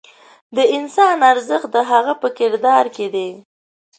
د انسان ارزښت د هغه په کردار کې دی.